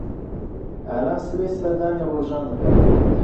ئالان سبەی سەردانی ڕۆژان دەکات.